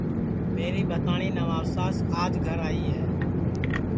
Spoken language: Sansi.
میری بھتاٹؔی نواساس آج گھر آئی ہے